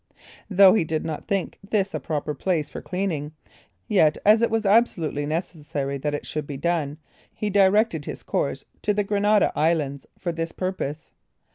Though he did not think this a proper place for cleaning, yet as it was absolutely necessary that it should be done, he directed his course to the Granada islands for that purpose.